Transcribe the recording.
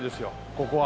ここは。